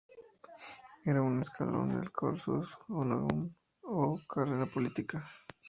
Era un escalón del "cursus honorum" o carrera política.